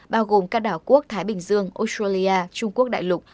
bao gồm các đảo quốc thái bình dương australia trung quốc đại lục